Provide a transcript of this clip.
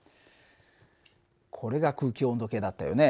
これが空気温度計だったよね。